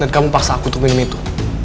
dan kamu paksa aku untuk minum itu